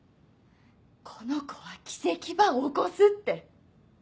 この子は奇跡ば起こすって。